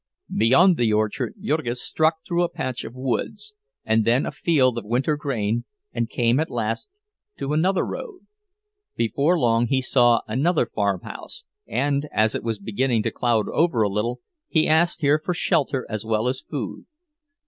Beyond the orchard Jurgis struck through a patch of woods, and then a field of winter grain, and came at last to another road. Before long he saw another farmhouse, and, as it was beginning to cloud over a little, he asked here for shelter as well as food.